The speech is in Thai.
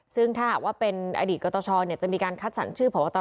ซึ่งถ้าเป็นอดีตกตชจะมีการคัดสรรชื่อพบ